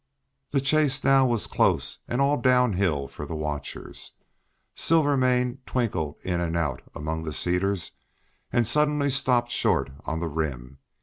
The chase now was close and all down hill for the watchers. Silvermane twinkled in and out among the cedars, and suddenly stopped short on the rim.